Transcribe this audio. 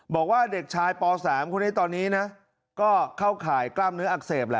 บอกว่าเด็กชายป๓ตอนนี้ก็เข้าข่ายกล้ามเนื้ออักเสบ